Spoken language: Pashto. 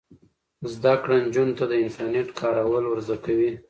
زده کړه نجونو ته د انټرنیټ کارول ور زده کوي.